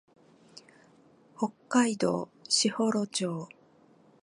北海道士幌町